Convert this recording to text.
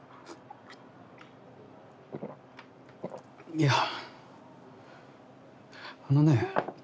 いやあのね。